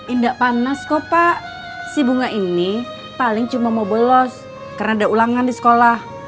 indah panas kok pak si bunga ini paling cuma mau bolos karena ada ulangan di sekolah